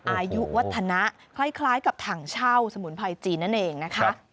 อายุวัฒนะคล้ายกับถังเช่าสมุนไพรจีนนั่นเองนะคะ